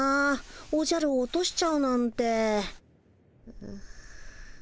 おじゃるを落としちゃうなんて。